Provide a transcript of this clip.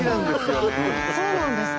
そうなんですか？